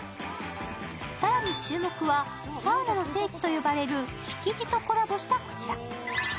更に注目は、サウナの聖地と呼ばれるしきじとコラボした、こちら。